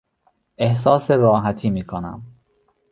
احساس راحتی میکنم.